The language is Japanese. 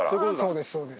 そうですそうです。